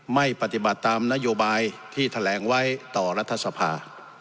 ไม่ปฏิบัติตามนโยบายที่แถลงไว้ต่อรัฐสภา